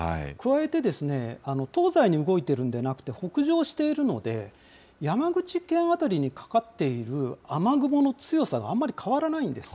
加えて東西に動いているんでなくて、北上しているので、山口県辺りにかかっている雨雲の強さがあまり変わらないんです。